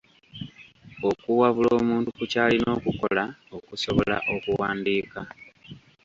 Okuwabula omuntu ku ky'alina okukola okusobola okuwandiika.